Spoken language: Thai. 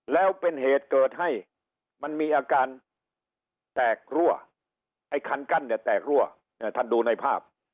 แล้วเป็นเหตุเกิดให้มันมีอาการแตกรั่วไอ้คันกั้นเนี่ยแตกรั่วท่านดูในภาพ